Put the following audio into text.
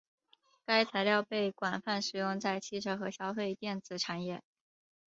该材料被广泛使用在汽车和消费电子产业。